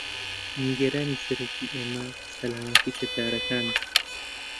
نیگەرانی سەرەکی ئێمە سەلامەتی کردارەکانە.